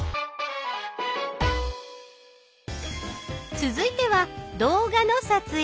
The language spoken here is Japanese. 続いては動画の撮影。